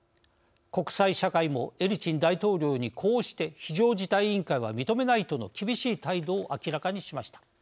国際社会もエリツィン大統領に呼応して非常事態委員会は認めないとの厳しい態度を明らかにしました。